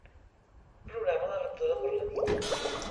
Programa la rentadora per a la nit.